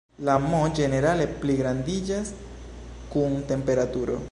La "m" ĝenerale pligrandiĝas kun temperaturo.